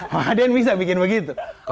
pak aden bisa bikin begitu